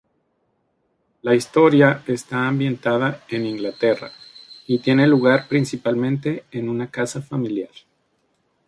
La historia está ambientada en Inglaterra y tiene lugar principalmente en una casa familiar.